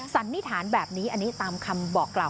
สันนิษฐานแบบนี้อันนี้ตามคำบอกกล่าว